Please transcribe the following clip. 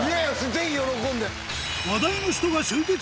ぜひ喜んで！